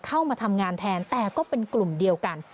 เข้ามาทำงานแทนแต่ก็เป็นกลุ่มเดียวกัน